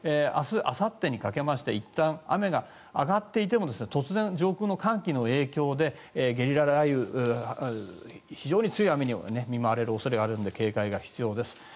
明日、あさってと雨が上がっていても突然、上空の寒気の影響でゲリラ雷雨非常に強い雨に見舞われる恐れがありますので警戒が必要です。